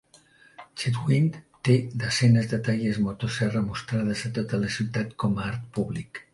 Chetwynd té desenes de talles motoserra mostrades a tota la ciutat com a art públic.